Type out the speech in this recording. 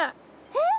えっ？